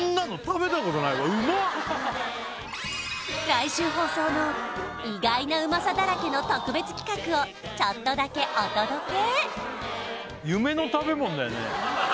来週放送の意外なうまさだらけの特別企画をちょっとだけお届け！